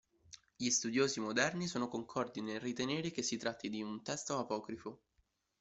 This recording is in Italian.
Gli studiosi moderni sono concordi nel ritenere che si tratti di un testo apocrifo.